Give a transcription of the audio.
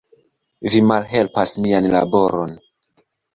Vi malhelpas nian laboron.